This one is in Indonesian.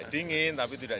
dinginnya berapa pak